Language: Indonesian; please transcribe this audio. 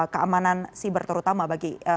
keamanan siber terutama bagi